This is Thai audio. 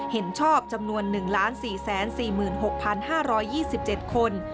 เห็นชอบจำนวน๑๔๔๖๕๒๗คน